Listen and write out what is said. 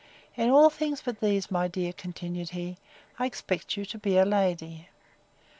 —In all things but these, my dear, continued he, I expect you to be a lady.